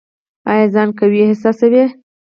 ایا ځان قوي احساسوئ؟